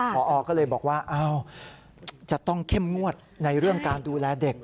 พอก็เลยบอกว่าจะต้องเข้มงวดในเรื่องการดูแลเด็ก